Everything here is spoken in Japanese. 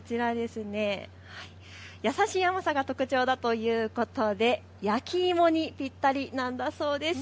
優しい甘さが特徴だということで焼き芋にぴったりなんだそうです。